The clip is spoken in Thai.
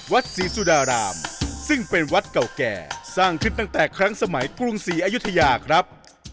วัดศรีสุดารามซึ่งเป็นวัดเก่าแก่สร้างขึ้นตั้งแต่ครั้งสมัยกรุงศรีอยุธยาครับ